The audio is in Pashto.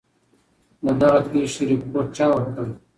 د دغي پېښي رپوټ چا ورکړی؟